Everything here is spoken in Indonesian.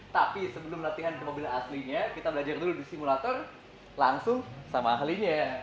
tapi sebelum latihan ke mobil aslinya kita belajar dulu di simulator langsung sama ahlinya